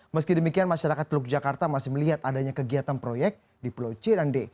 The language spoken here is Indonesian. meski demikian masyarakat teluk jakarta masih melihat adanya kegiatan proyek di pulau c dan d